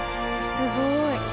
すごい。